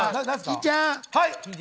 金ちゃん。